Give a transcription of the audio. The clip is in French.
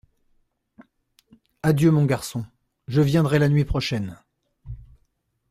Adieu, mon garçon ; je viendrai la nuit prochaine.